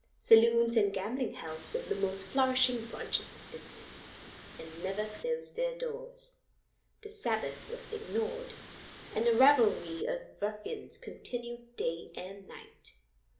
Saloons and gambling hells were the most flourishing branches of business, and never closed their doors. The Sabbath was ignored, and the revelry of ruffians continued day and night.